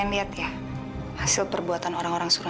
anda mau pilih apa sih